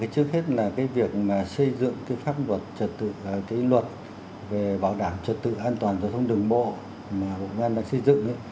trước hết là cái việc xây dựng cái luật về bảo đảm trật tự an toàn giao thông đường bộ mà bộ công an đã xây dựng